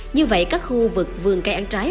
như vậy các khu vực vườn cây ăn trái